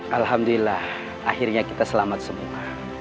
alhamdulillah akhirnya kita selamat semua